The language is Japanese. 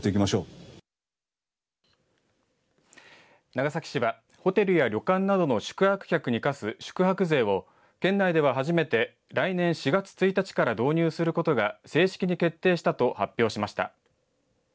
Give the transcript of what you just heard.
長崎市はホテルや旅館などの宿泊客に課す宿泊税を県内では初めて来年４月１日から導入することが正式に決定したと発表しました。